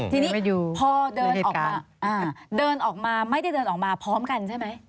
ทีนี้พอเดินออกมาเดินออกมาไม่ได้เดินออกมาพร้อมกันใช่ไหม